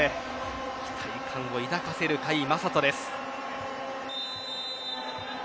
期待感を抱かせる甲斐優斗です。